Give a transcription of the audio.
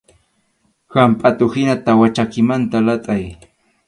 Hampʼatuhina tawa chakimanta latʼay.